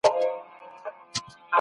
دفاعي چارې له پامه مه غورځوئ.